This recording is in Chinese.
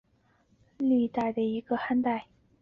上深沟堡墓群的历史年代为汉代。